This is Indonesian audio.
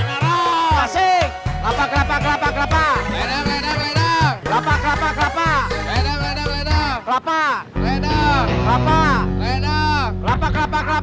ledang ledang ledang